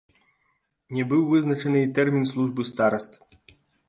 Не быў вызначаны і тэрмін службы стараст.